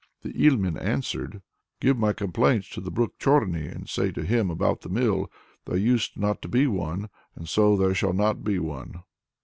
The Ilmen answered: "Give my compliments to the brook Chorny, and say to him about the mill: there used not to be one, and so there shall not be one!"